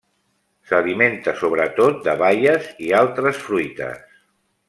S'alimenta sobretot de baies i altres fruites.